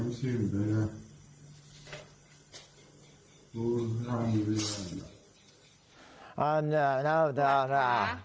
คุณตำรวจค่ะแจ้งความหน่อยค่ะ